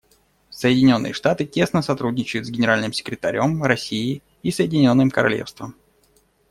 Соединенные Штаты тесно сотрудничают с Генеральным секретарем, Россией и Соединенным Королевством.